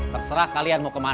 terserah kalian mau kemana